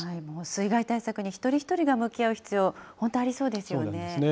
水害対策に一人一人が向き合う必要、本当、ありそうですよね。